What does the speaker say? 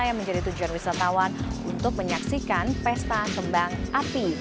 yang menjadi tujuan wisatawan untuk menyaksikan pesta kembang api